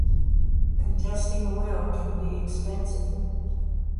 Contesting a will can be expensive.